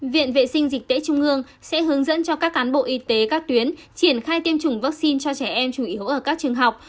viện vệ sinh dịch tễ trung ương sẽ hướng dẫn cho các cán bộ y tế các tuyến triển khai tiêm chủng vaccine cho trẻ em chủ yếu ở các trường học